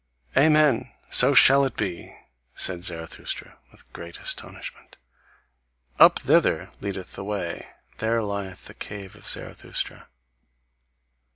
"Amen! So shall it be!" said Zarathustra, with great astonishment; "up thither leadeth the way, there lieth the cave of Zarathustra.